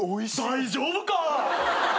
大丈夫か。